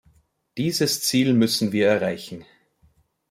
Dieses Ziel müssen wir erreichen.